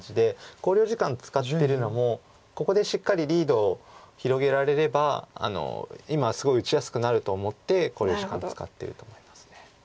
考慮時間使ってるのもここでしっかりリードを広げられれば今すごい打ちやすくなると思って考慮時間使ってると思います。